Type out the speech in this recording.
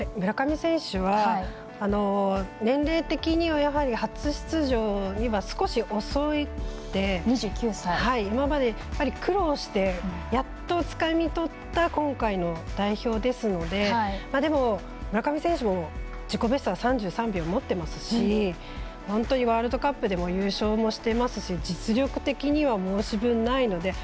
村上選手は、年齢的にはやはり初出場には少し遅くて今まで、やっぱり苦労してやっとつかみ取った今回の代表ですのででも、村上選手も自己ベストは３３秒を持っていますし本当にワールドカップでも優勝もしていますし実力的には申し分ないので。